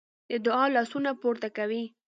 د دعا لاسونه پورته کوي.